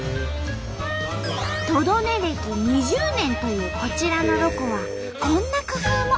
トド寝歴２０年というこちらのロコはこんな工夫も。